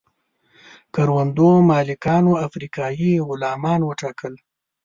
کروندو مالکانو افریقایي غلامان وټاکل.